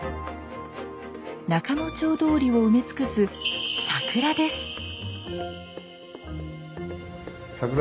仲之町通りを埋め尽くす桜です。